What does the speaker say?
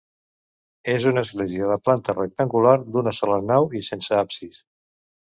És una església de planta rectangular d'una sola nau i sense absis.